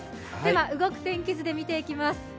動く天気図で見ていきます。